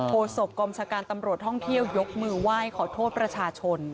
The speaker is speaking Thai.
โศกกรมชาการตำรวจท่องเที่ยวยกมือไหว้ขอโทษประชาชน